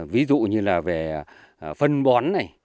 ví dụ như là về phân bón này